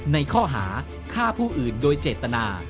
ในข้อหาฆ่าผู้อื่นโดยเจตนา